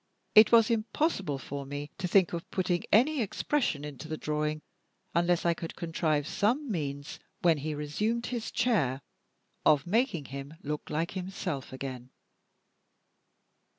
It was impossible for me to think of putting any expression into the drawing unless I could contrive some means, when he resumed his chair, of making him look like himself again.